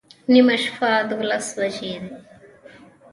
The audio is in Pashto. نیمه شپه دوولس بجې دي